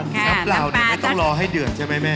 รับเราเนี่ยไม่ต้องรอให้เดือดใช่ไหมแม่